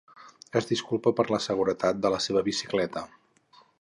Es disculpa per la seguretat de la seva bicicleta.